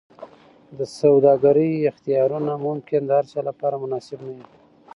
د سوداګرۍ اختیارونه ممکن د هرچا لپاره مناسب نه وي.